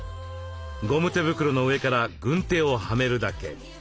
ゴム手袋の上から軍手をはめるだけ。